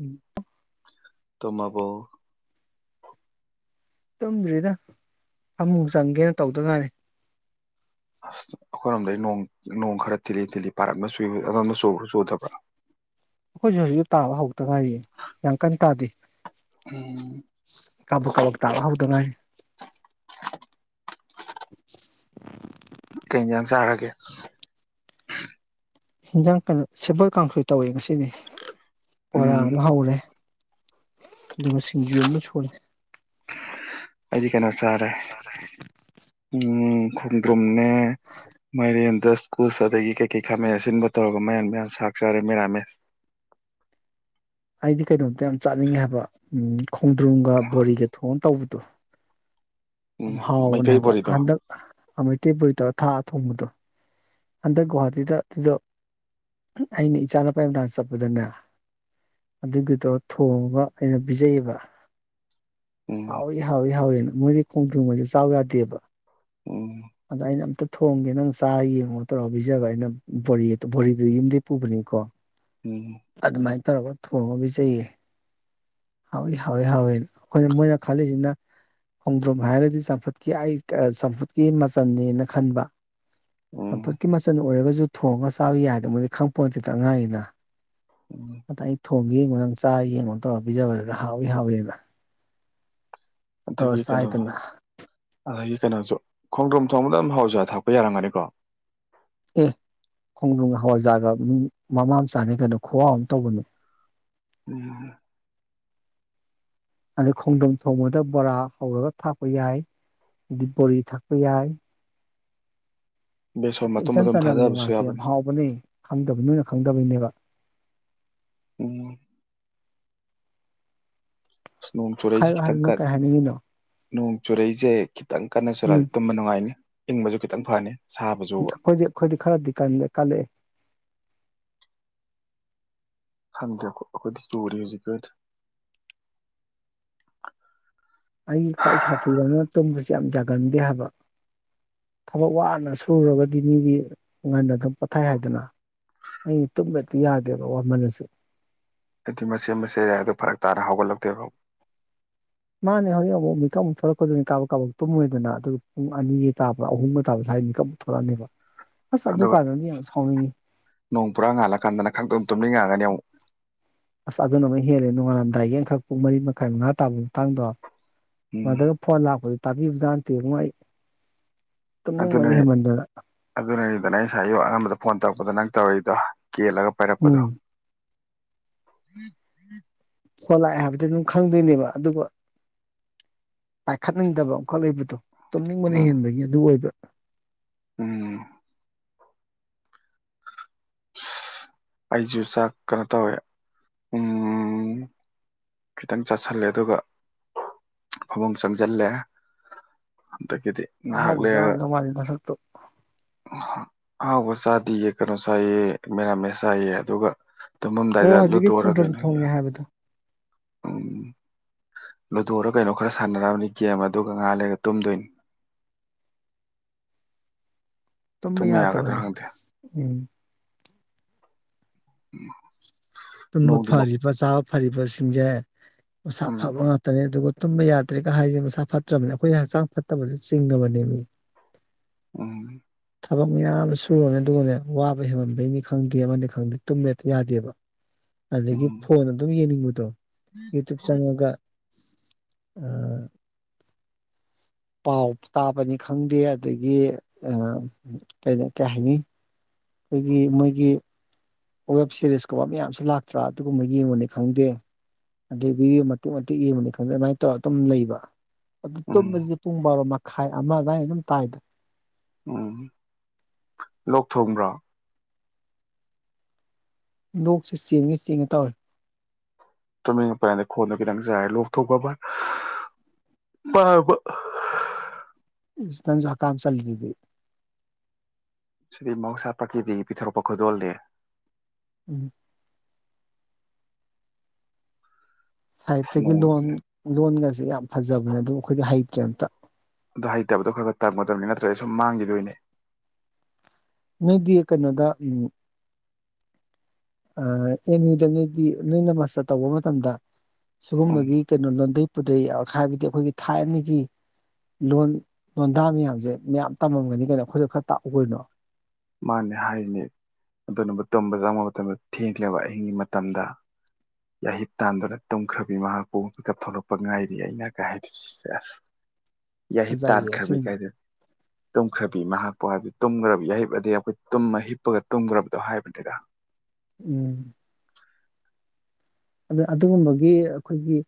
ꯎꯝ ꯊꯃꯕꯣ ꯇꯨꯝꯗ꯭ꯔꯤꯗ ꯑꯃꯨꯛ ꯆꯪꯒꯦꯅ ꯇꯧꯗ ꯉꯅꯤ ꯊꯤ ꯊꯜꯂꯤ ꯄꯔꯝꯃꯦ ꯑꯗꯣꯝꯗ ꯆꯨꯊꯕ꯭ꯔꯥ ꯍꯧꯖꯤꯁꯨ ꯍꯧꯖꯤꯛꯁꯨ ꯇꯥꯕ ꯍꯧꯗꯒ ꯍꯥꯏꯔꯤꯌꯦ ꯌꯥꯝ ꯀꯟꯅ ꯇꯥꯗꯦ ꯎꯝ ꯀꯕꯛ ꯀꯥꯕ ꯇꯥꯔꯛꯍꯕꯗ ꯉꯥꯏ ꯀꯩ ꯏꯟꯖꯥꯡ [inaudible] [unintelligible] ꯍꯤꯟꯖꯥꯡ ꯀꯩꯅꯣ ꯁꯦꯝꯕꯜ ꯀꯥꯡꯁꯨ ꯇꯧꯏꯤ ꯉꯁꯤꯅꯤ ꯄꯨꯣꯔꯥ ꯎꯝ ꯃꯍ ꯍ ꯎꯔꯦ ꯑꯗꯨꯃꯁꯤꯡꯖꯣꯟꯅ ꯆꯣꯔꯦ ꯑꯩꯗꯤ ꯀꯩꯅꯣ ꯆꯔꯦ ꯎꯝ ꯈꯣꯡꯗ꯭ꯔꯨꯝ ꯃ ꯗ ꯁ꯭ꯀꯨꯜꯁ ꯑꯗꯒꯤ ꯀꯩꯀꯩ ꯈꯥꯃꯦꯟ ꯑꯁꯤꯟꯕ ꯇꯧꯔꯒ ꯃꯌꯥꯟ ꯃꯌꯥꯟ ꯁꯥꯛ ꯆꯥꯔꯦ ꯃꯦꯔꯥꯃꯦꯁ ꯑꯩꯗꯤ ꯀꯩꯅꯣꯝꯇ ꯌꯥꯝ ꯆꯥꯅꯤꯡꯉꯦ ꯍꯥꯏꯕ ꯎ ꯈꯣꯡꯗ꯭ꯔꯨꯝꯒ ꯕꯣꯔꯤꯒ ꯊꯣꯡꯑꯅ ꯇꯧꯕꯗꯣ ꯎꯝ ꯃꯩꯇꯩ ꯍꯥꯎꯅꯦꯕ ꯕꯣꯔꯤꯗꯣ ꯑꯗ ꯃꯩꯇꯩ ꯄꯨꯔꯤ ꯇꯧꯔ ꯊꯥꯛꯑ ꯊꯣꯡꯕꯗꯣ ꯍꯟꯗꯛ ꯒꯨꯍꯥꯇꯤꯗ ꯑꯗꯨꯗꯣ ꯑꯩꯅ ꯏꯆꯥꯅꯨꯄꯥ ꯑꯃꯗꯥꯥꯡ ꯆꯠꯄꯗꯅꯦ ꯑꯗꯨꯒꯤꯗꯣ ꯊꯣꯡꯉꯒ ꯑꯩꯅ ꯄꯤꯖꯩꯌꯦꯕ ꯎꯝ ꯍꯥꯎꯏ ꯍꯥꯎꯏ ꯍꯧꯥꯎꯣꯏ ꯃꯣꯏ ꯈꯣꯡꯖꯣꯡꯉꯩꯁꯦ ꯆꯥꯎ ꯌꯥꯗꯦꯕ ꯎꯝ ꯑꯗꯥꯏꯩꯅ ꯑꯇ ꯊꯣꯡꯒꯦ ꯅꯪ ꯆꯥꯔ ꯌꯦꯡꯉꯨꯣ ꯇꯧꯔ ꯄꯤꯖꯕ ꯑꯩꯅ ꯕꯣꯔꯤ ꯕꯣꯔꯤꯗꯨ ꯌꯨꯝꯗ ꯄꯨꯕꯅꯤꯀꯣ ꯍꯝ ꯇꯔꯒ ꯊꯣꯡꯉ ꯄꯖꯩꯌꯦ ꯍꯥꯎꯋꯏ ꯍꯥꯎꯋꯤ ꯍꯥꯎꯋꯦꯅ ꯑꯩꯈꯣꯏꯅ ꯃꯣꯏꯅ ꯈꯜꯂꯤꯁꯤꯅ ꯈꯣꯡꯗ꯭ꯔꯨꯝ ꯍꯥꯏꯔꯒꯗꯤ ꯆꯝꯐꯨꯠꯀꯤ ꯑꯩ ꯆꯝꯐꯨꯠꯀꯤ ꯃꯆꯜꯅꯤꯅ ꯈꯟꯕ ꯎꯝ ꯆꯄꯄꯥꯛꯀꯤ ꯃ ꯆ ꯑꯣꯏꯔꯒꯁꯨ ꯊꯣꯡꯉꯒ ꯆꯥꯕ ꯌꯥꯏꯗꯕ ꯃꯣꯏꯗꯤ ꯈꯪꯄꯣ ꯅꯠꯇꯦ ꯇ꯭ꯔ ꯑꯉꯥꯡꯒꯤꯅ ꯎꯝ ꯑ ꯏꯣ ꯊꯣꯡꯒ ꯌꯦꯡꯉ ꯅꯪ ꯆꯥ ꯌꯦꯡꯕ ꯇꯧꯔꯒ ꯄꯤꯖꯕꯗꯨꯗ ꯍꯥꯎꯏ ꯍꯥꯎꯏꯤꯅ ꯑꯗꯗꯒꯤ ꯀꯩꯅꯣ ꯑ ꯀꯩꯅꯣꯁꯨ ꯈꯣꯡꯗ꯭ꯔꯣꯝ ꯊꯣꯡꯕꯗ ꯑꯗꯨꯝ ꯍꯥꯎꯖꯥ ꯊꯥꯛꯄ ꯌꯥꯔꯝꯒꯅꯤꯀꯣ ꯑꯦ ꯈꯣꯡꯗ꯭ꯔꯪ ꯍꯋꯥꯖꯥꯒ ꯃꯤ ꯃꯃꯥ ꯑꯃ ꯆꯥꯅꯩ ꯀꯩꯅꯣ ꯈꯨꯋꯥꯥꯎ ꯑꯃ ꯇꯧꯕꯅꯦ ꯎꯝ ꯑꯗꯩ ꯈꯣꯡꯗꯣꯝ ꯊꯣꯡꯕꯗ ꯕꯣꯔꯥ ꯍꯧꯔꯒ ꯊꯥꯛꯄ ꯌꯥꯏ ꯑꯗꯤ ꯕꯣꯔꯤ ꯊꯥꯛꯄ ꯌꯥꯏ ꯕꯦꯁꯣꯟ ꯃꯇꯨꯝ ꯏꯆꯟ ꯃꯇꯨꯝ ꯆꯥꯟꯅꯕꯅꯦ ꯊꯥꯗꯕꯁꯨ ꯃꯥꯁ ꯌꯥꯝ ꯌꯥꯕꯅꯤ ꯍꯥꯎꯕꯅꯤ ꯈꯪꯗꯕ ꯅꯣꯏꯅ ꯈꯪꯗꯕꯩꯅꯦꯕ ꯎꯝ ꯑꯁ ꯅꯣꯡ ꯆꯨꯔꯛꯏꯁꯤ ꯍꯥꯏꯨ ꯈꯤꯇꯪ ꯍꯥꯏꯨꯅ ꯀꯟ ꯀꯩ ꯍꯥꯏꯅꯤꯡꯉꯤꯅꯣ ꯅꯣꯡ ꯆꯨꯔꯛꯏꯁꯦ ꯈꯤꯇꯪ ꯀꯟꯅ ꯎꯝ ꯆꯨꯔꯛꯗꯤꯦ ꯇꯨꯝꯕ ꯅꯨꯡꯉꯥꯏꯅꯤ ꯏꯪꯕꯁꯨ ꯈꯤꯇꯪ ꯐꯅꯤ ꯁꯥꯕꯁꯨꯕ ꯑꯩꯈꯣꯏꯗꯤ ꯑꯩꯈꯣꯏꯗꯤ ꯈꯔꯗꯤꯀꯥꯟ ꯂꯩꯀꯥꯂꯦ ꯍꯪꯗ ꯑꯩꯈꯣꯏꯗꯤ ꯆꯧꯔꯤ ꯍꯧꯖꯤ ꯀꯣꯏ ꯑꯩꯒꯤ ꯈ꯭ꯋꯥꯏ ꯁꯥꯊꯤꯕꯅꯤꯅ ꯇꯨꯝꯕꯕꯁꯤ ꯌꯥꯝ ꯌꯥꯒꯟꯗꯦ ꯍꯥꯏꯕ ꯊꯕꯛ ꯋꯥꯅ ꯁꯨꯔꯒꯗꯤ ꯃꯤꯗꯤ ꯋꯥꯉꯥꯟꯗ ꯑꯗꯨꯝ ꯄꯣꯊꯥꯏ ꯍꯥꯏꯗꯅ ꯑꯩꯗꯤ ꯇꯨꯝꯕꯗꯤ ꯌꯥꯗꯦꯕ ꯋꯥꯃꯜꯂꯁꯨ ꯍꯥꯏꯗꯤ ꯃꯆꯦ ꯃꯆꯦꯔꯌꯥ ꯑꯗꯨ ꯐꯔꯛ ꯇꯥꯅ ꯍꯧꯒꯠꯂꯛꯇꯦꯕ ꯃꯥꯅꯦ ꯍꯧꯖꯤꯛ ꯑꯃꯨꯛ ꯃꯤꯀꯞ ꯑꯃꯨꯛ ꯊꯣꯛꯂꯛꯀꯗꯅꯤ ꯀꯥꯕꯛ ꯀꯥꯕꯛ ꯇꯨꯝꯃꯣꯏꯗꯅ ꯑꯗꯨꯒ ꯄꯨꯡ ꯑꯅꯤꯒꯤ ꯇꯥꯕ꯭ꯔ ꯑꯍꯨꯝꯒ ꯇꯥꯕꯗ ꯍꯥꯏꯗꯤ ꯃꯤꯀꯞ ꯑꯃꯨꯛ ꯊꯣꯛꯂꯛꯑꯅꯦꯕ ꯑꯁ ꯑꯗꯨꯒ ꯑꯗꯨꯀꯥꯟꯗꯗꯤ ꯌꯥꯝ ꯁꯥꯎꯅꯤꯡꯉꯤ ꯅꯣꯡ ꯄꯨꯔꯥ ꯉꯥꯜꯂꯀꯥꯟꯗꯅ ꯈꯪꯛꯇ ꯑꯗꯨ ꯇꯨꯝꯂꯤ ꯉꯥꯛꯒꯅꯤ ꯑꯃꯨꯛ ꯑꯁ ꯑꯗꯨꯅ ꯑꯃꯨꯛ ꯍꯦꯜꯂꯦ ꯅꯣꯡꯉꯥꯜꯂꯝꯗꯥꯏꯒꯤ ꯑꯡꯈꯛ ꯄꯨꯡ ꯃꯔꯤ ꯃꯈꯥꯏ ꯃꯉꯥ ꯇꯥꯕꯒꯤ ꯃꯇꯥꯡꯗꯣ ꯎꯝ ꯃꯗꯨꯒ ꯐꯜ ꯍꯥꯄ ꯇꯕꯤꯕꯖꯥꯟꯇꯦ ꯃꯅꯨꯡꯥꯏ ꯇꯨꯝꯅꯤꯡꯕꯅꯤ ꯍꯦꯃꯟꯗꯨꯅ ꯑꯗꯨꯅ ꯑꯩ ꯉꯥꯏ ꯑꯌꯨꯛ ꯑꯉꯝꯕꯗ ꯐꯣꯟ ꯇꯧꯔꯛꯄꯗ ꯅꯪ ꯇꯧꯔꯤꯏꯗꯣ ꯀꯦꯜꯂꯒ ꯄꯥꯏꯔꯛꯄꯗꯣ ꯎꯝ [inaudible] ꯐꯣꯟ ꯂꯥꯛꯑꯦ ꯍꯥꯏꯕꯗꯤ ꯑꯗꯨꯝ ꯈꯪꯗꯣꯏꯅꯦꯕ ꯑꯗꯨꯒ ꯄꯥꯏꯈꯠꯅꯤꯡꯗꯕ ꯑꯃꯈꯠ ꯂꯩꯕꯗꯣ ꯇꯨꯝꯅꯤꯡꯕꯅ ꯎꯝ ꯍꯦꯟꯕꯒꯤ ꯑꯗꯨ ꯑꯣꯏꯕ ꯎꯝ ꯑꯩꯁꯨ ꯆꯥꯛ ꯀꯩꯅꯣ ꯇꯧꯋꯦ ꯎꯝ ꯈꯤꯇꯪ ꯆꯥꯁꯤꯜꯂꯦ ꯑꯗꯨꯒ ꯐꯃꯨꯡ ꯆꯪꯁꯤꯜꯂꯦ ꯑꯗꯒꯤꯗꯤ ꯉꯥꯏꯍꯥꯛ ꯑꯍꯥꯎꯕ ꯂꯩꯔꯒ ꯆꯥꯔꯝꯗꯧ ꯃꯥꯜꯂꯤ ꯃꯁꯛꯇꯣ ꯑꯍꯥꯎꯕ ꯆꯥꯗꯤꯌꯦ ꯀꯩꯅꯣ ꯁꯥꯏꯑ ꯃꯦꯔꯥꯃꯦ ꯁꯥꯏꯌꯦ ꯑꯗꯨꯒ ꯑꯣ ꯇꯨꯝꯃꯝꯗꯥꯏꯗ ꯍꯧꯖꯤꯛꯀꯤ ꯂꯨꯗꯣꯔ ꯈꯣꯡꯗ꯭ꯔꯝ ꯀꯩꯅꯣ ꯊꯣꯡꯉꯦ ꯍꯥꯏꯕꯗꯣ ꯎꯝ ꯂꯨꯗꯣꯔꯥ ꯀꯩꯅꯣ ꯈꯔ ꯁꯥꯟꯅꯔꯛꯑꯕꯅꯤ ꯒꯦꯝ ꯑꯗꯨꯒ ꯉꯍꯥ ꯂꯩꯔ ꯇꯨꯝꯗꯣꯏꯅꯤ ꯊꯃ ꯇꯨꯝꯕ ꯌꯥ ꯌꯥꯒꯗ꯭ꯔꯥ ꯇꯕꯅꯦ ꯈꯪꯗꯦ ꯎꯝ [inaudible] ꯇꯨꯝꯕꯥ ꯅꯣꯡꯗꯤ ꯃ ꯐꯔꯤꯕꯥ ꯆ ꯐꯔꯤꯕꯁꯤꯡꯁꯦ ꯃꯁꯥ ꯎꯝ ꯐꯕꯥ ꯉꯇꯅꯦ ꯑꯗꯨꯒ ꯇꯨꯝꯕ ꯌꯥꯗ꯭ꯔꯦꯒ ꯍꯥꯏꯁꯦ ꯃꯁꯥ ꯐꯠꯇ꯭ꯔꯕꯅꯤ ꯑꯩꯈꯣꯏ ꯍꯛꯆꯥꯡ ꯐꯠꯇꯕꯁꯦ ꯆꯤꯡꯉꯕꯅꯦ ꯃꯤ ꯎꯝ ꯊꯕꯛ ꯃꯌꯥꯝ ꯁꯨꯔꯅꯦ ꯑꯗꯨꯒꯅꯦ ꯋꯥꯕ ꯍꯦꯃꯟꯕꯩꯅꯤ ꯈꯪꯗꯦ ꯑꯃꯅꯤ ꯈꯪꯗꯦ ꯇꯨꯝꯂꯦ ꯌꯥꯗꯦꯕ ꯑꯗꯒꯤ ꯎꯝ ꯐꯣꯟ ꯑꯗꯨꯝ ꯌꯦꯡꯅꯤꯡꯕ ꯇꯣꯏ ꯌꯨꯇꯨꯕ ꯆꯉꯒꯥ ꯑ ꯄꯥꯎ ꯇꯥꯕꯅꯤ ꯈꯪꯗꯦ ꯑꯗꯒꯤ ꯀꯩꯅ ꯀꯩꯍꯥꯏꯅꯤ ꯑꯩꯈꯣꯏꯒꯤ ꯃꯣꯏꯒꯤ ꯋꯦꯕ ꯁꯤꯦꯔꯤꯁꯀꯨꯝꯕ ꯃꯌꯥꯝꯁꯨ ꯂꯥꯛꯇ꯭ꯔꯥ ꯑꯗꯨꯒꯨꯝꯕ ꯌꯦꯡꯕꯅꯤ ꯈꯪꯗꯦ ꯑꯗꯗꯒꯤ ꯃꯇꯤꯛ ꯃꯇꯤꯦꯛ ꯌꯦꯡꯕꯅꯤ ꯈꯪꯗꯦ ꯑꯗꯨꯃꯥꯏꯅ ꯇꯧꯔꯒ ꯑꯗꯨꯝ ꯂꯩꯕ ꯑꯗꯨ ꯎꯝ ꯇꯨꯝꯕꯁꯤꯗꯤ ꯄꯨꯡ ꯕꯥꯔꯣꯃ ꯈꯥꯏ ꯑꯃꯒꯥꯏ ꯑꯗꯨꯝ ꯇꯥꯏꯗ ꯎꯝ ꯂꯣꯛ ꯊꯣꯡꯕ꯭ꯔꯥ ꯂꯣꯛꯁ ꯆꯦꯡꯉꯦ ꯆꯦꯡꯉꯦ ꯇꯧꯏ ꯇꯨꯃꯤꯡꯄꯔꯗ ꯈꯣꯟꯗ ꯈꯤꯇꯪ ꯆꯔꯦ ꯂꯣꯛꯊꯣꯛꯄ ꯄꯕ ꯏꯁꯇꯟꯖ ꯍ ꯀꯥꯝ ꯆꯜꯇꯗꯤ ꯁꯤꯗꯤ ꯃꯍꯧꯁꯥ ꯄ꯭ꯔꯀꯤꯇꯤꯒꯤ ꯄꯤꯊꯣꯔꯛꯄ ꯈꯨꯗꯣꯜꯅꯤ ꯎꯝ ꯁꯥꯏꯠꯇꯒꯤ ꯂꯣꯟ ꯅꯣꯡꯁꯦ ꯂꯣꯟꯒꯁꯦ ꯌꯥꯝ ꯐꯖꯕꯅꯦ ꯑꯗꯨꯝ ꯑꯩꯈꯣꯏꯗꯤ ꯍꯩ ꯀꯝꯇꯥ ꯑꯗꯨ ꯍꯩꯇꯕꯗꯣ ꯈꯔ ꯈꯔ ꯇꯝꯒꯗꯕꯅꯤ ꯅꯠꯇ꯭ꯔꯒ ꯑꯩ ꯁꯨꯝ ꯃꯥꯡꯈꯤꯗꯣꯏꯅꯦ ꯅꯣꯏꯗꯤ ꯀꯩꯅꯣꯗ ꯎꯝ ꯑꯦꯝ ꯌꯨꯗ ꯅꯣꯏꯗꯤ ꯅꯣꯏꯅ ꯃꯥꯁꯇꯔ ꯇꯧꯕ ꯃꯇꯝꯗ ꯎꯝ ꯁꯤꯒꯨꯝꯕꯒꯤ ꯀꯩꯅꯣ ꯂꯣꯟꯗꯩ ꯗꯩ ꯍꯥꯏꯕꯗꯤ ꯑꯩꯈꯣꯏꯒꯤ ꯊꯥꯏꯅꯒꯤ ꯂꯣꯟ ꯂꯣꯟꯗꯥ ꯃꯌꯥꯝꯁꯦ ꯃꯌꯥꯝ ꯇꯝꯃꯝꯒꯅꯤ ꯀꯩꯅꯣ ꯑꯩꯈꯣꯏꯗ ꯈꯔ ꯇꯥꯛꯎ ꯀꯩꯅꯣ ꯃꯥꯅꯦ ꯍꯥꯏꯔꯤꯅꯦ ꯑꯗꯨꯅꯕꯨ ꯇꯨꯝꯕ ꯆꯪꯕ ꯃꯇꯝꯗ ꯊꯦꯡꯕ ꯑꯍꯤꯡꯒꯤ ꯃꯇꯝꯗ ꯌꯥꯍꯤꯞ ꯇꯥꯟꯗꯨꯅ ꯇꯨꯝꯈ꯭ꯔꯕꯤ ꯃꯍꯥꯛꯄꯨ ꯃꯤꯀꯞ ꯊꯣꯛꯂꯛꯄ ꯉꯥꯏꯔꯤ ꯑꯩꯅ ꯀꯥꯏ ꯍꯥꯏꯗ ꯁꯦꯁ ꯌꯥꯍꯤꯞ ꯐꯖꯩꯌꯦ ꯇꯥꯟꯈ꯭ꯔꯕꯤ ꯑꯁꯦꯡꯕ ꯀꯥꯏꯗꯤ ꯇꯨꯝꯈ꯭ꯔꯕꯤ ꯃꯍꯥꯛ ꯄ ꯍꯥꯏꯕꯗꯤ ꯇꯨꯝꯒ꯭ꯔꯕꯤ ꯌꯥꯍꯤꯞ ꯍꯥꯏꯗꯤ ꯑꯩꯈꯣꯏ ꯇꯨꯝꯃ ꯍꯤꯞꯄꯒ ꯇꯨꯝꯈ꯭ꯔꯕꯗꯣ ꯍꯥꯏꯕꯅꯤꯗ ꯎꯨꯝ ꯑꯗꯨꯒꯨꯝꯕꯒꯤ ꯑꯩꯈꯣꯏꯒꯤ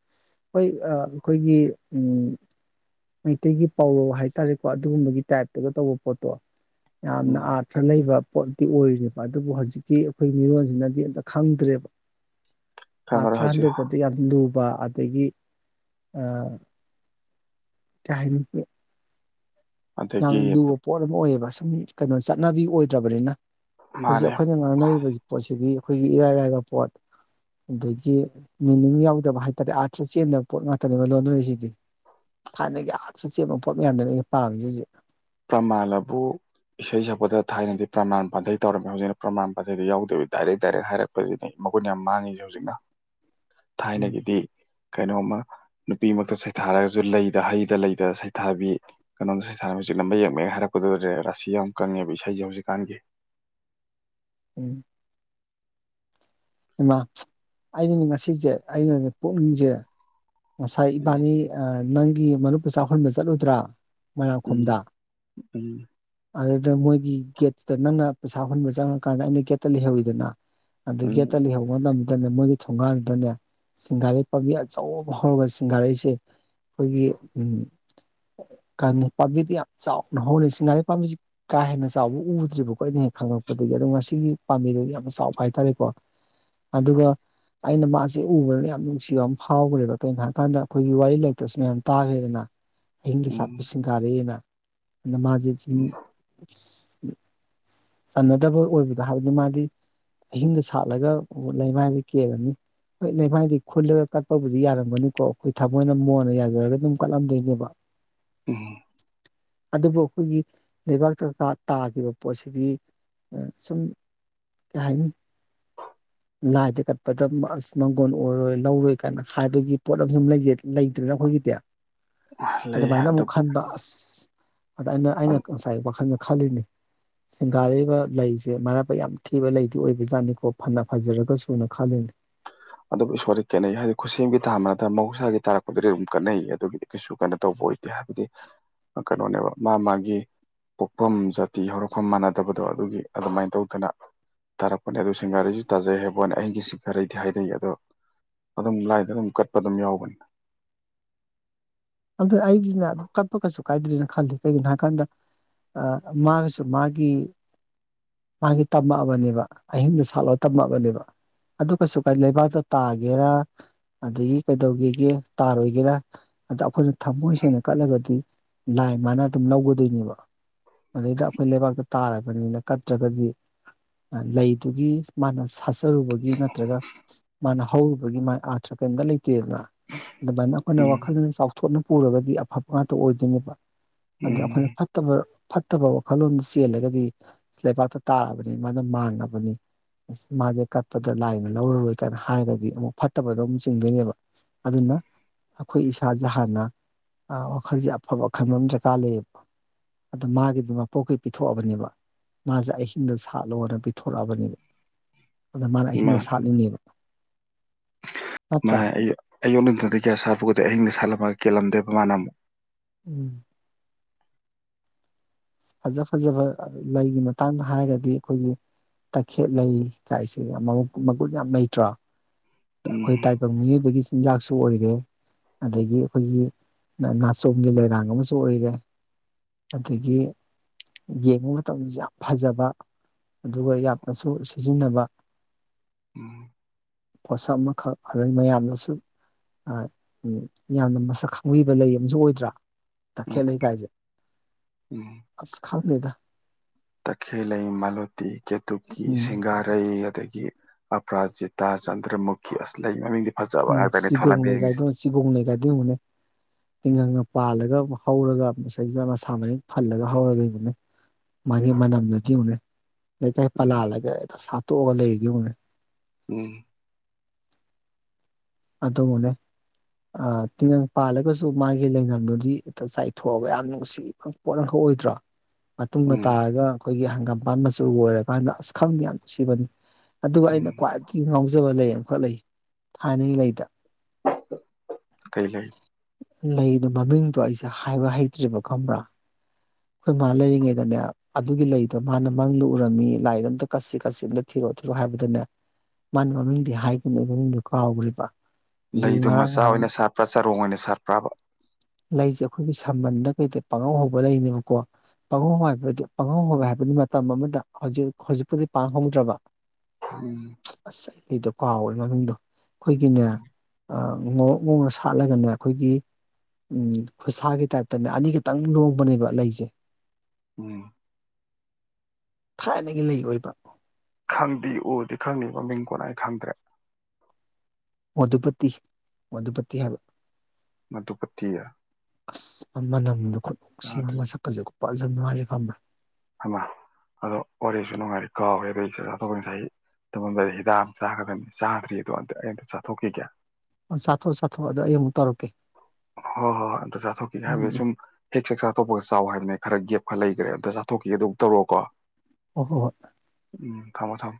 ꯍꯣꯏ ꯑꯩꯈꯣꯏꯒꯤ ꯎꯨꯝ ꯃꯩꯇꯩꯒꯤ ꯄꯥꯎꯔꯧ ꯍꯥꯏꯇꯥꯔꯦꯀꯣ ꯑꯗꯨꯒꯨꯝꯕꯒꯤ ꯇꯥꯏꯞꯇꯒ ꯇꯧꯕ ꯄꯣꯠꯇꯣ ꯌꯥꯝꯅ ꯎꯝ ꯑꯥꯔꯊ ꯂꯩꯕ ꯄꯣꯠꯇꯤ ꯑꯣꯏꯔꯦꯕ ꯑꯗꯨꯕꯨ ꯍꯧꯖꯤꯛꯀꯤ ꯑꯩꯈꯣꯏ ꯃꯤꯔꯣꯟꯁꯤꯅꯗꯤ ꯑꯝꯇ ꯈꯪꯗ꯭ꯔꯦꯕ ꯈꯪꯉꯔꯣꯏ ꯑꯥꯔꯊ꯭ꯔꯥ ꯍꯧꯖꯤꯛ ꯍꯟꯗꯣꯛꯄꯗ ꯌꯥꯝꯅ ꯂꯨꯕ ꯑꯗꯒꯤ ꯑꯥ ꯀꯩ ꯍꯥꯏꯅꯤ ꯑꯗꯒꯤ ꯌꯥꯝꯅ ꯂꯨꯕ ꯄꯣꯠ ꯑꯃ ꯑꯣꯏꯌꯦꯕ ꯁꯨꯝ ꯀꯩꯅꯣ ꯆꯠ -ꯅꯥꯕꯤ ꯑꯣꯏꯗ꯭ꯔꯕꯅꯤꯅ ꯍꯧꯖꯤꯛ ꯃꯥꯅꯦ ꯑꯩꯈꯣꯏꯅ ꯉꯥꯡꯅꯔꯤꯕꯁꯤ ꯄꯣꯠꯁꯤꯗꯤ ꯑꯩꯈꯣꯏꯒꯤ ꯏꯔꯥꯏ ꯂꯥꯏꯕ ꯄꯣꯠ ꯑꯗꯒꯤ ꯃꯤꯅꯤꯡ ꯌꯥꯎꯗꯕ ꯍꯥꯏꯇꯥꯔꯦ ꯑꯥꯔꯊ꯭ꯔ ꯆꯦꯟꯗꯕ ꯄꯣꯠ ꯉꯥꯛꯇꯅꯦꯕ ꯂꯣꯟꯅꯔꯤꯁꯤꯗꯤ ꯊꯥꯏꯅꯒꯤ ꯑꯥꯔꯊ ꯆꯦꯟꯕ ꯄꯣꯠ ꯉꯥꯛꯇꯅꯤ ꯑꯩꯅ ꯄꯥꯝꯃꯤꯁꯤ ꯍꯧꯖꯤꯛ ꯄ꯭ꯔꯃꯥꯟꯂꯕꯨ ꯏꯁꯩ ꯁꯛꯄꯗ ꯊꯥꯏꯅꯗꯤ ꯄ꯭ꯔꯃꯥꯟ ꯄꯥꯟꯊꯩ ꯇꯧꯔꯝꯃꯤ ꯍꯧꯖꯤꯛꯅ ꯄ꯭ꯔꯃꯥꯟ ꯄꯥꯟꯊꯩꯗ ꯌꯥꯎꯗꯕ ꯗꯥꯏꯔꯦꯛ ꯗꯥꯏꯔꯦꯛ ꯍꯥꯏꯔꯛꯄꯁꯤꯅꯤ ꯃꯒꯨꯟ ꯌꯥꯝ ꯃꯥꯡꯉꯁꯤ ꯍꯧꯖꯤꯛꯅ ꯎꯝ ꯊꯥꯏꯅꯒꯤꯗꯤ ꯈ ꯀꯩꯅꯣꯝꯃ ꯅꯨꯄꯤꯃꯛꯇ ꯁꯩꯊꯥꯔꯒꯁꯨ ꯂꯩꯗ ꯍꯩꯗ ꯂꯩꯗ ꯁꯩꯊꯥꯕꯤ ꯀꯩꯅꯣꯝꯗ ꯁꯩꯊꯥꯔ ꯍꯧꯖꯤꯛ ꯅꯝꯕ ꯌꯦꯛ ꯃꯌꯦꯛ ꯍꯥꯏꯔꯛꯄꯗꯨꯗꯦ ꯔꯥꯁꯤ ꯌꯥꯝ ꯀꯪꯉꯦꯕ ꯏꯁꯩꯁꯦ ꯍꯧꯖꯤꯛꯀꯥꯟꯒꯤ ꯎꯨꯝ ꯏꯃꯥ ꯑꯩꯅꯅꯦ ꯉꯁꯤꯁꯦ ꯑꯩꯅꯅꯦ ꯄꯨꯛꯅꯤꯡꯁꯦ ꯉꯁꯥꯏ ꯎꯝ ꯏꯕꯥꯟꯅꯤ ꯑ ꯅꯪꯒꯤ ꯃꯔꯨꯞ ꯄꯩꯁꯥ ꯍꯨꯟꯕ ꯆꯠꯂꯨꯗ꯭ꯔꯥ ꯎꯝ ꯃꯣꯏꯔꯥꯡꯈꯣꯝꯗ ꯑꯗꯨꯗ ꯃꯣꯏꯒꯤ ꯒꯦꯠꯇꯨꯗ ꯅꯪꯅ ꯄꯩꯁꯥ ꯍꯨꯟꯕ ꯆꯪꯉꯀꯥꯟꯗ ꯑꯩꯅ ꯒꯦꯠꯇ ꯂꯩꯍꯧꯏꯗꯅ ꯑꯗꯨ ꯒꯦꯠ ꯎꯝ ꯃꯅꯝꯗꯅꯦ ꯃꯣꯏꯒꯤ ꯊꯣꯡꯒꯥꯥꯟꯗꯨꯗꯅꯦ ꯁꯤꯡꯒꯥꯔꯩ ꯄꯥꯝꯕꯤ ꯑꯆꯧꯕ ꯍꯧꯔꯒ ꯁꯤꯡꯒꯥꯔꯩꯁꯦ ꯑꯩꯈꯣꯏꯒꯤ ꯎꯝ ꯀꯅꯤ ꯄꯥꯝꯕꯤꯗ ꯌꯥꯝ ꯆꯥꯎꯅ ꯍꯧꯔꯦ ꯁꯤꯡꯒꯥꯔꯩ ꯄꯥꯝꯕꯤꯁ ꯀꯥ ꯍꯦꯟꯅ ꯆꯥꯎꯕ ꯎꯗ꯭ꯔꯤꯕꯀꯣ ꯑꯩꯅ ꯍꯦꯛ ꯈꯪꯉꯛꯄꯗꯒꯤ ꯑꯗꯣ ꯉꯁꯤꯒꯤ ꯄꯥꯝꯕꯤꯗ ꯌꯥꯝꯅ ꯆꯥꯎꯕ ꯍꯥꯏꯇꯥꯔꯦꯀꯣ ꯑꯗꯨꯒ ꯑꯩꯅ ꯃꯥꯁꯦ ꯎꯕꯗ ꯌꯥꯝ ꯅꯨꯡꯁꯤꯕ ꯑꯃ ꯐꯥꯎꯒ꯭ꯔꯦꯕ ꯀꯩꯅꯣ ꯍꯥꯏꯕꯀꯥꯟꯗ ꯑꯩꯈꯣꯏꯒꯤ ꯋꯥꯔꯤ ꯂꯛꯇꯁꯨ ꯃꯌꯥꯝ ꯇꯥꯈ꯭ꯔꯦꯗꯅ ꯑꯍꯤꯡꯗ ꯎꯝ ꯁꯥꯠꯄꯤ ꯁꯤꯡꯒꯥꯔꯩꯅ ꯑ ꯃꯥꯁꯦ ꯁꯨꯝ ꯎꯝ ꯑꯁ ꯆꯥꯟꯅꯗꯕ ꯑꯣꯏꯕꯗꯣ ꯍꯥꯏꯗꯤ ꯃꯥꯗꯤ ꯑꯍꯤꯡꯗ ꯁ ꯁꯥꯠꯂꯒ ꯂꯩꯃꯥꯏꯗ ꯀꯦꯜꯂꯅꯤ ꯍꯣꯏ ꯂꯩꯃꯥꯏꯗꯤ ꯈꯨꯜꯂꯒ ꯀꯠꯄꯕꯨꯗꯤ ꯌꯥꯔꯝꯒꯅꯤꯀꯣ ꯑꯩꯈꯣꯏ ꯊꯃꯣꯏꯅ ꯃꯣꯟꯅ ꯌꯥꯔꯒꯗꯤ ꯑꯗꯨꯝ ꯀꯠꯂꯝꯗꯣꯏꯅꯦꯕ ꯎꯨꯝ ꯑꯗꯨꯕꯨ ꯑꯩꯈꯣꯏꯒꯤ ꯂꯩꯕꯥꯛꯇꯥ ꯇꯥꯈꯤꯕ ꯄꯣꯠꯁꯤꯗꯤ ꯑꯥ ꯁꯨꯝ ꯀꯩ ꯍꯥꯏꯅꯤ ꯂꯥꯏꯗ ꯀꯠꯄꯗ ꯑꯁ ꯃꯥꯡꯒꯣꯟ ꯑꯣꯏꯔꯣꯏ ꯂꯧꯔꯣꯏ ꯀꯅ ꯍꯥꯏꯕꯒꯤ ꯄꯣꯠ ꯨ [unintelligible] ꯂꯩꯇ꯭ꯔꯦꯅ ꯑꯈꯣꯏꯒꯤꯗꯤ ꯂꯩ ꯑꯗꯨꯃꯥꯏꯅ ꯑꯃꯨꯛ ꯑꯗꯨꯕꯨ ꯈꯟꯕ ꯑꯁ ꯑꯗ ꯑꯩꯅ ꯑꯩꯅ ꯉꯁꯥꯏ ꯋꯥꯈꯟꯗ ꯈꯂꯤꯅꯦ ꯁꯤꯡꯒꯥꯔꯩꯕ ꯂꯩꯁꯦ ꯃꯔꯥꯏꯕꯛ ꯌꯥꯝ ꯊꯤꯕ ꯂꯩꯗꯤ ꯑꯣꯏꯕꯖꯥꯠꯅꯤꯀꯣ ꯐꯅ ꯐꯖꯔꯒ ꯁꯨꯅ ꯈꯥꯜꯂꯤꯅꯤ ꯑꯗꯨꯕꯨ ꯏꯁꯣꯔꯗꯤ ꯈꯦꯠꯅꯩ ꯍꯥꯏꯗꯤ ꯈꯨꯠꯁꯦꯝꯒꯤ ꯊꯥꯅꯠꯇ ꯃꯍꯧꯁꯥꯒꯤ ꯇꯥꯔꯛꯄꯗꯨꯗꯤ ꯑꯗꯨꯝ [unintelligible] ꯑꯗꯨꯒꯤꯗꯤ ꯀꯩꯁꯨ ꯀꯩꯅꯣ ꯇꯧꯕ ꯑꯣꯏꯗꯦ ꯍꯥꯏꯕꯗꯤ ꯀꯩꯅꯣꯅꯦꯕ ꯃꯥ ꯃꯥꯒꯤ ꯄꯣꯛꯐꯝ ꯖꯥꯇꯤ ꯍꯧꯔꯛꯐꯝ ꯃꯥꯟꯅꯗꯕꯗꯣ ꯑꯗꯨꯒꯤ ꯑꯗꯨꯃꯥꯏꯅ ꯇꯧꯗꯅ ꯇꯥꯔꯛꯄꯅꯦ ꯑꯗꯨ ꯁꯤꯡꯒꯥꯔꯩꯁꯨ ꯇꯥꯖꯩ ꯍꯥꯏꯕꯅꯦ ꯑꯩꯒꯤ ꯁꯤꯡꯒꯥꯔꯩꯗꯤ ꯍꯥꯏ ꯑꯗꯣ ꯑꯗꯨꯝ ꯂꯥꯏꯗ ꯑꯗꯨꯝ ꯀꯠꯄ ꯑꯗꯨꯝ ꯌꯥꯎꯕꯅꯤ ꯑꯗꯨ ꯑꯩꯒꯤꯅ ꯀꯠꯄ ꯀꯩꯁꯨ ꯀꯥꯏꯗ꯭ꯔꯦꯅ ꯈꯓꯜꯂꯤ ꯀꯩꯒꯤꯅꯣ ꯍꯥꯏꯀꯥꯟꯗ ꯃꯥꯒꯨꯁꯨ ꯃꯥꯒꯤ ꯃꯥꯒꯤ ꯇꯝꯃꯛꯑꯕꯅꯦꯕ ꯑꯍꯤꯡꯗ ꯁꯥꯠꯂꯣ ꯇꯝꯃꯛꯑꯕꯅꯦꯕ ꯑꯗꯨ ꯀꯩꯁꯨ ꯀꯥꯏ ꯂꯩꯕꯥꯛꯇ ꯇꯥꯒꯦꯔꯥ ꯑꯗꯒꯤ ꯀꯩꯗꯧꯒꯦꯒꯦ ꯇꯥꯔꯣꯏꯒꯦꯔꯥ ꯑꯗ ꯑꯈꯣꯏ ꯊꯃꯣꯏ ꯁꯦꯡꯅ ꯀꯠꯂꯒꯗꯤ ꯂꯥꯏ ꯃꯥꯅ ꯑꯗꯨꯝ ꯂꯧꯒꯗꯣꯏꯅꯦꯕ ꯑꯗꯩꯗ ꯑꯈꯣꯏ ꯂꯩꯕꯥꯛꯇ ꯇꯥꯔꯕꯅꯦꯅ ꯀꯠꯇ꯭ꯔꯒꯗꯤ ꯂꯩꯗꯨꯒꯤ ꯃꯥꯅ ꯁꯥꯠꯆꯔꯨꯕꯒꯤ ꯅꯠꯇ꯭ꯔꯒ ꯃꯥꯅ ꯍꯧꯔꯨꯕꯒꯤ ꯃꯥꯒꯤ ꯑꯥꯔꯊ꯭ꯔ ꯀꯩꯝꯇ ꯂꯩꯇꯦꯗꯕ ꯑꯗꯨꯃꯥꯏꯅ ꯑꯈꯣꯏꯅ ꯎꯝ ꯋꯥꯈꯜꯅ ꯆꯥꯎꯊꯣꯛꯅ ꯄꯨꯔꯒꯗꯤ ꯑꯐꯕ ꯉꯥꯛꯇ ꯑꯣꯏꯗꯣꯏꯅꯦ ꯑꯗꯨ ꯑꯈꯣꯏꯅ ꯎꯝ ꯐꯠꯇꯕ ꯐꯠꯇꯕ ꯋꯥꯈꯜꯂꯣꯟꯗ ꯆꯦꯜꯂꯒꯗꯤ ꯂꯩꯕꯥꯛꯇ ꯇꯥꯔꯕꯅꯤ ꯃꯥꯅ ꯃꯥꯡꯉꯕꯅꯤ ꯑꯁ ꯃꯥꯁꯦ ꯀꯠꯄꯗ ꯂꯥꯏꯅ ꯂꯧꯔꯔꯣꯏ ꯀꯥꯏꯅ ꯍꯥꯏꯔꯒꯗꯤ ꯑꯃꯨꯛ ꯐꯠꯇꯕꯗꯣ ꯑꯃꯨꯛ ꯆꯤꯡꯗꯣꯏꯅꯦꯕ ꯑꯗꯨꯅ ꯑꯈꯣꯏ ꯏꯁꯥꯁꯦ ꯍꯥꯟꯅ ꯋꯥꯈꯜꯁꯦ ꯑꯐꯕ ꯈꯟꯕ ꯑꯃ ꯗꯔꯀꯥꯔ ꯂꯩꯌꯦꯕ ꯑꯗ ꯃꯥꯒꯤꯗꯤ ꯃꯄꯣꯛꯀꯥ ꯄꯤꯊꯣꯛꯑꯕꯅꯦꯕ ꯃꯥꯁꯦ ꯑꯍꯤꯡꯗ ꯁꯥꯠꯂꯣꯅ ꯄꯤꯊꯣꯔꯛꯑꯕꯅꯦꯕ ꯑꯗ ꯃꯥꯅ ꯃꯥ ꯑꯍꯤꯡꯗ ꯁꯥꯠꯂꯤꯅꯦꯕ ꯃꯥ ꯅꯠꯇ꯭ꯔꯥ ꯑꯌꯨꯛ ꯅꯨꯡꯊꯤꯜꯗꯤ ꯀꯌꯥ ꯁꯥꯠꯄ ꯎꯗꯦ ꯑꯍꯤꯡꯗ ꯁꯥꯠꯂ ꯃꯥ ꯀꯦꯜꯂꯝꯗꯣꯏꯕ ꯃꯥꯅ ꯎꯝ ꯐꯖ ꯐꯖꯕ ꯂꯩꯒꯤ ꯃꯇꯥꯡꯗ ꯍꯥꯏꯔꯒꯗꯤ ꯑꯈꯣꯏꯒꯤ ꯇꯈꯦꯠ ꯂꯩ ꯀꯥꯏꯁꯦ ꯌꯥꯝ ꯃꯒꯨꯟ ꯌꯥꯝ ꯂꯩꯇ꯭ꯔꯥ ꯑꯈꯣꯏ ꯎꯝ ꯇꯥꯏꯕꯪ ꯃꯤꯑꯣꯏꯕꯒꯤ ꯆꯤꯟꯖꯥꯛꯁꯨ ꯑꯣꯏꯔꯦ ꯑꯗꯒꯤ ꯑꯈꯣꯏꯒꯤ ꯅꯥꯆꯣꯡꯒꯤ ꯂꯩꯔꯥꯡ ꯑꯃꯁꯨ ꯑꯣꯏꯔꯦ ꯑꯗꯒꯤ ꯌꯦꯡꯕ ꯃꯇꯝꯗꯁꯨ ꯌꯥꯝ ꯐꯖꯕ ꯑꯗꯨꯒ ꯌꯥꯝꯅꯁꯨ ꯁꯤꯖꯤꯟꯅꯕ ꯎꯝ ꯄꯣꯠꯁꯛ ꯑꯃꯈꯛ ꯑꯗꯩ ꯃꯌꯥꯝꯅꯁꯨ ꯌꯥꯝꯅ ꯃꯁꯛ ꯈꯪꯕꯤꯕ ꯂꯩ ꯑꯃꯁꯨ ꯑꯣꯏꯗ꯭ꯔꯥ ꯎꯝ ꯇꯈꯦꯜ ꯂꯩꯀꯥꯏꯁꯦ ꯎꯝ ꯑꯁ ꯈꯪꯗꯦꯗ ꯇꯈꯦꯜꯂꯩ ꯃꯥꯂꯣꯇꯤ ꯀꯦꯇꯨꯀꯤ ꯎꯝ ꯁꯤꯡꯒꯥꯔꯩ ꯑꯗꯒꯤ ꯑꯄꯔꯥꯖꯤꯇꯥ ꯆꯟꯗ꯭ꯔꯃꯨꯈꯤ ꯑꯁ ꯂꯩ ꯃꯃꯤꯡꯒꯤ ꯎꯝ ꯆꯤꯒꯣꯡꯂꯩ ꯀꯥꯏꯗꯣ ꯆꯤꯒꯣꯡꯂꯩ ꯒꯥꯏꯗꯣ ꯌꯦꯡꯉꯨꯅꯦ ꯇꯤꯡꯒꯪꯒ ꯄꯥꯜꯂꯒ ꯍꯧꯔꯒ ꯃꯁꯩꯁꯤꯗ ꯃꯁꯥ ꯃꯔꯦꯡ ꯐꯜꯂꯒ ꯍꯧꯔꯒꯅꯤꯅꯦ ꯃꯥꯒꯤ ꯎꯝ ꯃꯅꯝꯗꯨꯗꯤ ꯌꯦꯡꯉꯨꯅꯦ ꯂꯩꯀꯥꯏ ꯄꯜꯂꯥꯜꯂꯒ [unintelligible] ꯇꯣꯛꯑꯒ ꯂꯩꯗꯨ ꯌꯦꯡꯉꯨꯅꯦ ꯎꯝ ꯑꯗꯨꯕꯨꯅꯦ ꯇꯤꯉꯪ ꯄꯥꯜꯂꯒꯁꯨ ꯃꯥꯒꯤ ꯂꯩꯅꯝꯅꯗꯤ [unintelligible] ꯆꯥꯏꯊꯣꯛꯑꯒ ꯌꯥꯝ ꯅꯨꯡꯁꯤ ꯄꯣꯠ ꯑꯃꯈꯛ ꯑꯣꯏꯗ꯭ꯔꯣ ꯃꯇꯨꯡꯗ ꯎꯝ ꯇꯥꯔꯒ ꯑꯈꯣꯏꯒꯤ ꯄꯥꯟ ꯃꯆꯨ ꯑꯣꯏꯔ ꯀꯥꯟꯗ ꯑꯁ ꯈꯪꯗꯦ ꯌꯥꯝ ꯅꯨꯡꯁꯤꯕꯅꯤ ꯑꯗꯨꯒ ꯑꯩꯅ ꯎꯝ ꯈ꯭ꯋꯥꯏꯗꯒꯤ ꯉꯥꯎꯖꯕ ꯂꯩ [unintelligible] ꯂꯩꯗ ꯀꯩ ꯂꯩ ꯂꯩꯗꯣ ꯃꯃꯤꯡꯗꯣ ꯑꯩꯁꯦ ꯍꯥꯏꯕ ꯍꯩꯇ꯭ꯔꯤꯕ ꯈꯪꯕ꯭ꯔꯥ ꯑꯈꯣꯏ ꯃꯥ ꯂꯩꯔꯤꯉꯩꯗꯅꯦ ꯑꯗꯨꯒꯤ ꯂꯩꯗꯣ ꯃꯥꯅ ꯃꯪꯗ ꯎꯔꯝꯃꯤ ꯂꯥꯏꯗ ꯑꯝꯇ ꯀꯠꯁꯤ ꯀꯠꯁꯤ ꯑꯝꯇ ꯊꯤꯔꯣꯑꯣ ꯊꯤꯔꯛꯑꯣ ꯍꯥꯏꯕꯗꯅꯦ ꯃꯥꯅ ꯃꯃꯤꯡꯗꯤ ꯍꯥꯏꯒꯤꯝꯅꯤ ꯃꯃꯤꯡꯗꯣ ꯀꯥꯎꯈ꯭ꯔꯦꯕ ꯑꯗꯨ ꯂꯩꯗꯣ ꯉꯔꯥꯡ ꯃꯆꯥ ꯅꯍꯥꯟ ꯑꯣꯏꯅ ꯁꯥ ꯄ꯭ꯔ ꯆꯥꯔꯣꯡ ꯑꯣꯏꯅ ꯁꯥꯔꯠꯄ꯭ꯔꯥꯕ ꯂꯩꯁꯦ ꯑꯩꯈꯣꯏꯒꯤ ꯁꯝꯕꯟꯗ ꯀꯩꯗ ꯄꯥꯉꯧ ꯍꯧꯕ ꯂꯩꯅꯦꯕꯀꯣ ꯄꯥꯉꯧ ꯍꯥꯏꯕꯗꯤ ꯄꯥꯉꯧ ꯍꯧꯕ ꯍꯥꯏꯕꯗꯤ ꯃꯇꯝ ꯑꯃꯗ ꯍꯧꯖꯤꯛ ꯍꯧꯖꯤꯛꯄꯨꯗꯤ ꯄꯥꯡꯍꯧꯗ꯭ꯔꯕ ꯎꯝ ꯃꯤꯗꯣ ꯀꯥꯎꯔꯦ ꯃꯗꯣ ꯑꯩꯈꯣꯏꯒꯤꯅꯦ ꯉꯣꯔꯣꯛ ꯉꯧꯅ ꯁꯥꯠꯂꯒꯅꯦ ꯑꯩꯈꯣꯏꯒꯤ ꯎꯝ ꯈꯨꯠꯁꯥꯒꯤ ꯇꯥꯏꯞꯇꯅꯦ ꯑꯅꯤꯈꯇꯪ ꯂꯣꯡꯕꯅꯦꯕ ꯂꯩꯁꯦ ꯎꯝ ꯊꯥꯏꯅꯗꯒꯤꯅ ꯑꯣꯏꯕ ꯈꯪꯗꯦ ꯎꯗꯤ ꯈꯪꯉꯕ ꯃꯤꯡ ꯀꯣꯟꯅꯥ ꯑꯩ ꯈꯪꯗ꯭ꯔꯦ ꯃꯗꯨꯨꯄꯇꯤ ꯃꯗꯨꯨꯄꯇꯤ ꯍꯥꯏꯕ ꯃꯗꯨꯄꯇꯤ ꯑꯁ ꯃ ꯃꯅꯝꯗꯨ ꯈꯣꯠꯂꯨ ꯁꯤ ꯃ ꯇꯥꯗ꯭ꯔꯤ ꯑꯃ ꯁꯛꯀꯜꯁꯨꯣ ꯐꯖ ꯅꯨꯡꯉꯥꯏꯌꯦꯦ ꯐꯃꯦ ꯑꯃꯃ ꯑꯗꯣ ꯋꯥꯔꯤꯁꯨ ꯅꯨꯡꯉꯥꯏꯔꯤ ꯀꯥꯎꯋꯦ ꯑꯗꯨꯏꯁꯨ ꯆꯥꯊꯣꯛꯄ ꯉꯁꯥꯏ ꯇꯝꯃꯗꯗ ꯍꯤꯗꯥꯛ ꯑꯃ ꯆꯥꯒꯗꯕꯅꯤ ꯆꯥꯗ꯭ꯔꯤ ꯑꯗꯣ ꯑꯇ ꯑꯩ ꯑꯇ ꯆꯥꯊꯣꯛꯈꯤꯒꯦ ꯁꯥꯊꯣꯛ ꯁꯥꯊꯣꯛ ꯑꯗ ꯑꯩ ꯑꯃꯨꯛ ꯇꯧꯔꯛꯀꯦ ꯍꯣꯏ ꯍꯣꯏ ꯍꯣꯏ ꯑꯗ ꯆꯥꯊꯣꯛꯈꯤꯒꯦ ꯍꯥꯏꯕ ꯎꯝ ꯎꯝ ꯁꯨꯝ ꯍꯦꯛ ꯆ ꯆ ꯑꯥꯇꯣꯄ ꯆꯥꯎ ꯍꯥꯏꯕꯅꯦ ꯈꯔ ꯒꯦꯞ ꯈꯔ ꯂꯩꯈ꯭ꯔꯦ ꯑꯗ ꯆꯥꯊꯣꯛꯈꯤꯒꯦꯗꯧ ꯇꯧꯔꯑꯣꯀꯣ ꯍ ꯍꯣꯏ ꯍꯣꯏ ꯎꯝ ꯊꯃꯣ ꯊꯃꯣ